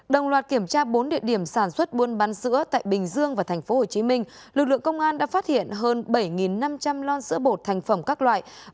đồng loạt kiểm tra bốn địa điểm sản xuất buôn bán sữa tại bình dương và tp hcm lực lượng công an đã phát hiện hơn bảy năm trăm linh lon sữa bột thành phẩm các loại